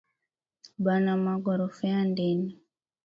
Bana mugorofea ndeni